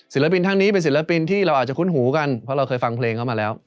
บินทั้งนี้เป็นศิลปินที่เราอาจจะคุ้นหูกันเพราะเราเคยฟังเพลงเขามาแล้ว